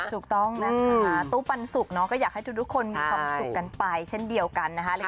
ถูกต้องนะคะตู้ปันสุกก็อยากให้ทุกคนมีความสุขกันไปเช่นเดียวกันนะคะ